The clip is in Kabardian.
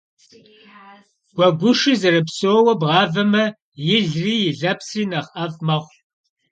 Гуэгушыр зэрыпсоуэ бгъавэмэ, илри и лэпсри нэхъ ӏэфӏ мэхъу.